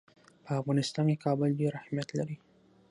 په افغانستان کې کابل ډېر اهمیت لري.